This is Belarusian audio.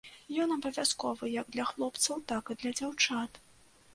Ён абавязковы як для хлопцаў, так і для дзяўчат.